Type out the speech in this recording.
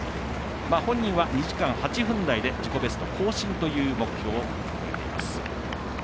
本人は２時間８分台で自己ベスト更新という目標を掲げています。